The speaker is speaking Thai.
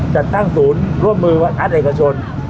จัดตั้งศูนย์ร่วมมือรัฐเอกชน